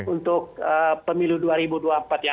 untuk pemilu dua ribu dua puluh empat yang akan datang